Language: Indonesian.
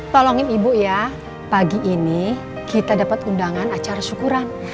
tolongin ibu ya pagi ini kita dapat undangan acara syukuran